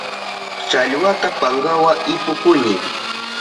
Challwata pankawa ipukuni.